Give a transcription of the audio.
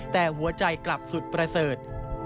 แต่หัวใจกลับสุดประเสริฐ